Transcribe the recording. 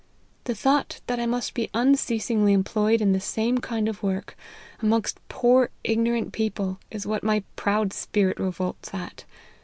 The thought that I must be unceasingly employed in the same kind of work, amongst poor ignorant people, is what my proud spirit revolts at.